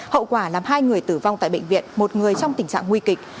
hậu quả làm hai người tử vong tại bệnh viện một người trong tình trạng nguy kịch